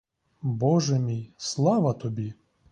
Боже мій, слава тобі!